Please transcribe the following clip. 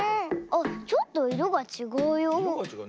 あっちょっといろがちがうよほら。